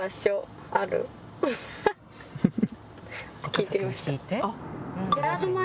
聞いてみました。